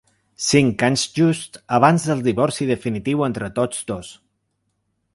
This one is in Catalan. Cinc anys justs abans del divorci definitiu entre tots dos.